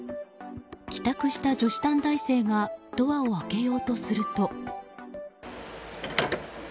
帰宅した女子短大生がドアを開けようとすると。